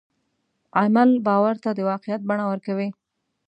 عمل باور ته د واقعیت بڼه ورکوي.